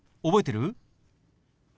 覚えてる？